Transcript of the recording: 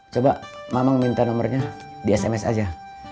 coba mama minta nomornya di sms aja